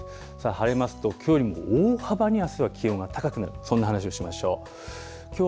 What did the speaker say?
晴れますと、きょうよりも大幅にあすは気温が高く、そんな話をしましょう。